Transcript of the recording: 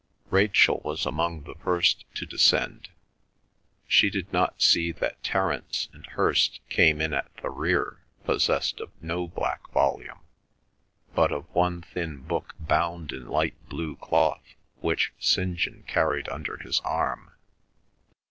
Rachel was among the first to descend. She did not see that Terence and Hirst came in at the rear possessed of no black volume, but of one thin book bound in light blue cloth, which St. John carried under his arm.